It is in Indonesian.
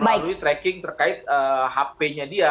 melalui tracking terkait hp nya dia